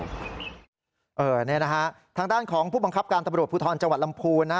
อะนี่ดูนะฮะทางด้านของผู้บังคับการตำรวจพูทรจลำพูน